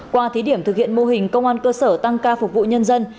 qua thí điểm thực hiện mô hình công an cơ sở tăng ca phục vụ nhân dân